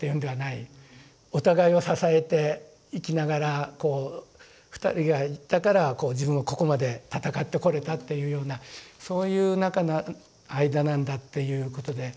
お互いを支えていきながらこう２人がいたからこう自分もここまで戦ってこれたっていうようなそういう間なんだっていうことで。